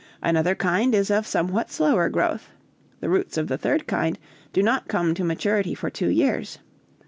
Another kind is of somewhat slower growth. The roots of the third kind do not come to maturity for two years.